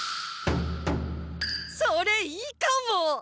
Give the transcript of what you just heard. それいいかも！